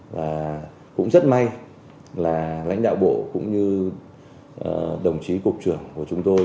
và cũng rất may là lãnh đạo bộ cũng như đồng chí cục trưởng của chúng tôi